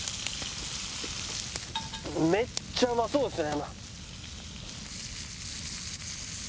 めっちゃうまそうですね。